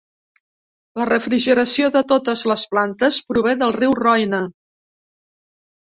La refrigeració de totes les plantes prové del riu Roine.